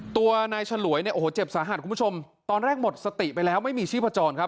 ตัวนายฉลวยเนี่ยโอ้โหเจ็บสาหัสคุณผู้ชมตอนแรกหมดสติไปแล้วไม่มีชีพจรครับ